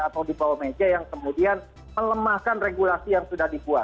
atau di bawah meja yang kemudian melemahkan regulasi yang sudah dibuat